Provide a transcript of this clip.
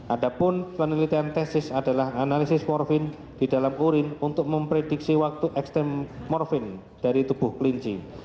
adapun penelitian tesis adalah analisis morfin di dalam urin untuk memprediksi waktu eksterm morfin dari tubuh klinci